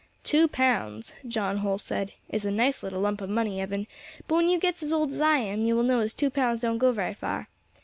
"Two pounds," John Holl said, "is a nice little lump of money, Evan; but when you gets as old as I am you will know as two pounds don't go wery far.